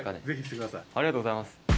ありがとうございます。